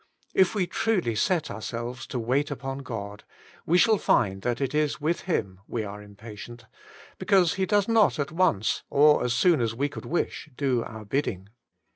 If we truly set ourselves to 6o WAITING ON GOD! wait upon God, we shall find that it is with Him we are impatient, because He does not at once, or as soon as we could wish, do our bid ding.